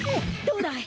どうだい？